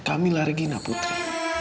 kamila regina putri